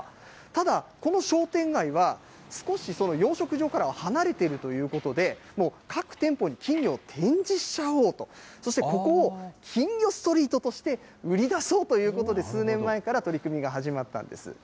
ただ、この商店街は少し養殖場からは離れているということで、各店舗に金魚を展示しちゃおうと、そしてここを金魚ストリートとして売り出そうということで、数年前から取り組みが始まったんです。